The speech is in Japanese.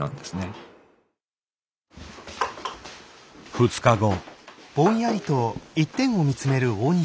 ２日後。